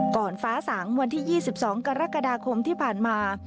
ฟ้าสางวันที่๒๒กรกฎาคมที่ผ่านมา